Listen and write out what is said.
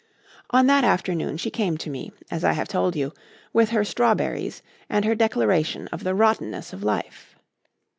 On that afternoon she came to me, as I have told you, with her strawberries and her declaration of the rottenness of life.